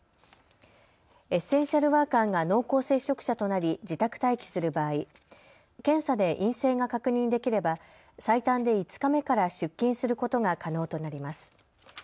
エッセンシャルワーカーが濃厚接触者となり自宅待機する場合検査で陰性が確認できれば最短で５日目から出勤することが可能となります。